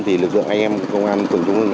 thì lực lượng anh em công an phường trung hưng